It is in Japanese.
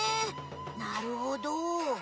なるほど。